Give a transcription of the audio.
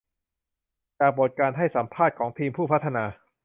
จากบทความการให้สัมภาษณ์ของทีมผู้พัฒนา